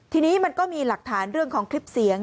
ทีนี้มันก็มีหลักฐานเรื่องของคลิปเสียง